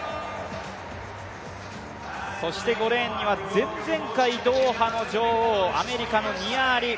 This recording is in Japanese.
そして５レーンには前々回、ドーハの女王アメリカのニア・アリ。